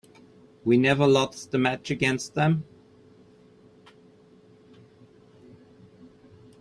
We never lost a match against them.